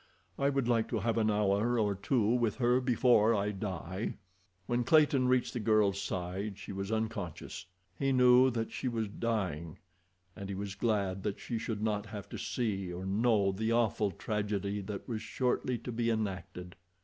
I would like to have an hour or two with her before I die." When Clayton reached the girl's side she was unconscious—he knew that she was dying, and he was glad that she should not have to see or know the awful tragedy that was shortly to be enacted.